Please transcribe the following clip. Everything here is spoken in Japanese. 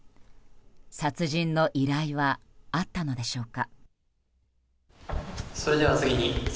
殺人の依頼はあったのでしょうか。